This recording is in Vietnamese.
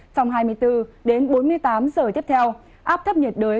trong hai mươi bốn đến bốn mươi tám giờ tiếp theo áp thấp nhiệt đới